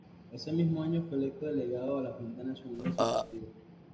Ese mismo año fue electo delegado a la Junta Nacional de su partido.